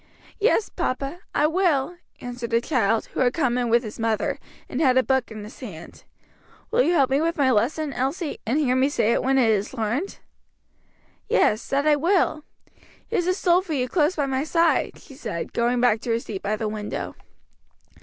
"Yes, papa, I will," answered the child, who had come in with his mother, and had a book in his hand. "Will you help me with my lesson, Elsie, and hear me say it when it is learned?" "Yes, that I will. Here's a stool for you close by my side," she said, going back to her seat by the window.